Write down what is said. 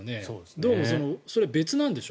どうも、それが別なんでしょ？